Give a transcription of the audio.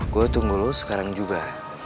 gue tunggu lu sekarang juga